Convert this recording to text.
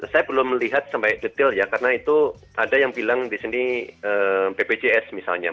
saya belum melihat sampai detail ya karena itu ada yang bilang di sini bpjs misalnya